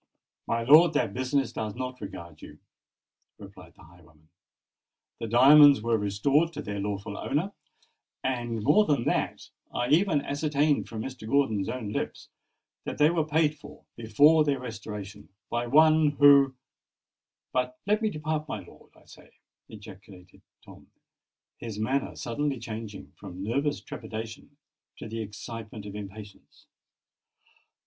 "My lord, that business does not regard you," replied the highwayman. "The diamonds were restored to their lawful owner; and—more than that—I even ascertained from Mr. Gordon's own lips that they were paid for, before their restoration, by one who——But let me depart, my lord, I say!" ejaculated Tom, his manner suddenly changing from nervous trepidation to the excitement of impatience.